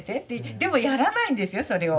でもやらないんですよそれを。